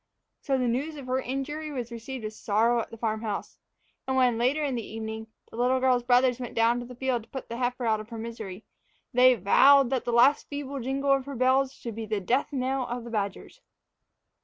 So the news of her injury was received with sorrow at the farm house; and when, later in the evening, the little girl's big brothers went down to the field to put the heifer out of her misery, they vowed that the last feeble jingle of her bells should be the death knell of the badgers.